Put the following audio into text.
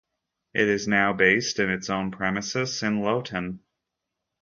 It is now based in its own premises in Loughton.